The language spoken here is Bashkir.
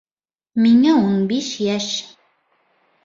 Миңә ун биш йәш.